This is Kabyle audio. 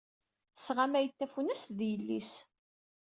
Tesɣamay-d tafunast d yelli-s.